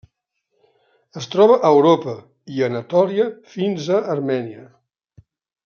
Es troba a Europa i Anatòlia fins a Armènia.